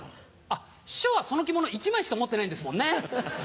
師匠はその着物１枚しか持ってないんですもんね。